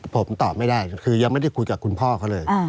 ผมตอบไม่ได้คือยังไม่ได้คุยกับคุณพ่อเขาเลย